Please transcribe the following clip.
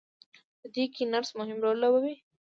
په دې کې نرس مهم رول لوبوي.